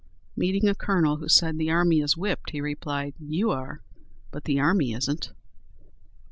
Meeting a colonel who said, "The army is whipped," he replied, "You are, but the army isn't!"